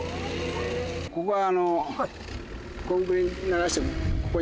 ここは。